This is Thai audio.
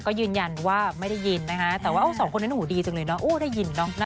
ก็ยืนยันว่าไม่ได้ยินนะคะแต่ว่าเอาสองคนนั้นหูดีจังเลยเนาะโอ้ได้ยินเนอะ